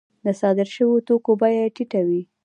د صادر شویو توکو بیه یې ټیټه وي